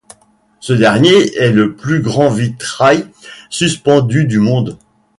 Ce dernier est le plus grand vitrail suspendu du monde.